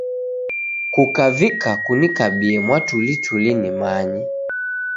Kukavika kunikabie mwatulituli nimanye.